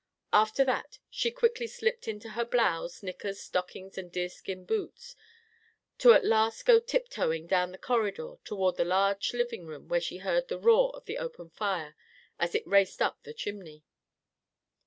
After that she quickly slipped into her blouse, knickers, stockings and deerskin boots, to at last go tiptoeing down the corridor toward the large living room where she heard the roar of the open fire as it raced up the chimney.